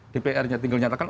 dpr nya tinggal nyatakan